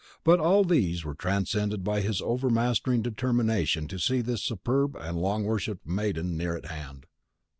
But all these were transcended by his overmastering determination to see this superb and long worshipped maiden near at hand.